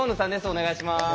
お願いします。